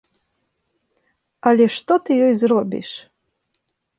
Але што ты ёй зробіш!